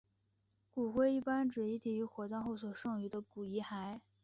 骨灰一般指遗体于火葬后所剩余的遗骸。